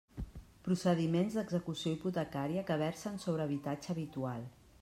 Procediments d'execució hipotecària que versen sobre habitatge habitual.